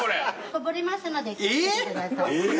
こぼれますので気を付けてください。